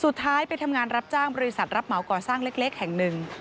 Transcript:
สุดท้ายไปทำงานรับจ้างบริษัทรับเหมาก่อสร้างเล็กแห่งหนึ่ง